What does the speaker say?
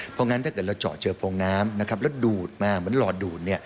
เพราะงั้นถ้าเกิดเราเจาะเจอโพงน้ำนะครับแล้วดูดมาเหมือนหลอดดูด